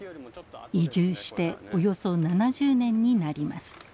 移住しておよそ７０年になります。